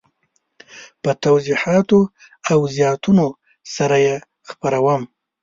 په توضیحاتو او زیاتونو سره یې خپروم.